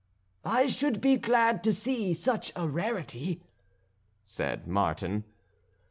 "I should be glad to see such a rarity," said Martin.